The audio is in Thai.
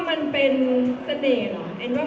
เสียงปลดมือจังกัน